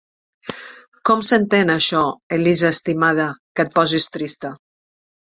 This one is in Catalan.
Com s'entén això, Elisa estimada, que et posis trista?